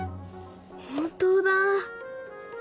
本当だ。